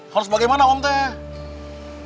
harus bagaimana om teh